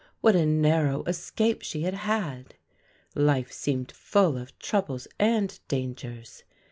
What a narrow escape she had had! Life seemed full of troubles and dangers.